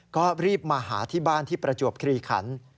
ก็รีบมาหาที่บ้านที่ประจวบคลีขัน